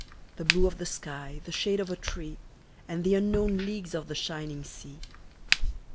The blue of the sky, the shade of a tree, And the unowned leagues of the shining sea.